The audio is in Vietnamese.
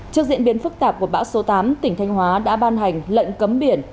trước diễn biến phức tạp của bão số tám tỉnh thanh hóa đã ban hành lệnh cấm biển